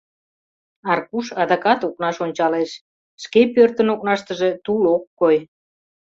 Аркуш адакат окнаш ончалеш — шке пӧртын окнаштыже тул ок кой.